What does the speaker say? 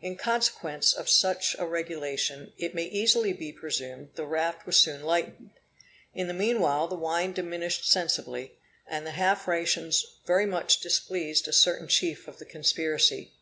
In consequence of such a regulation, it may easily be presumed the raft was soon lightened. In the meanwhile the wine diminished sensibly, and the half rations very much displeased a certain chief of the conspiracy.